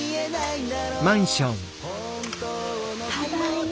ただいま。